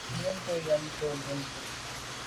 Benntùn boa nyàm nke mbùnte.